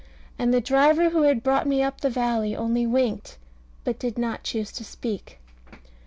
And the driver who had brought me up the valley only winked, but did not choose to speak.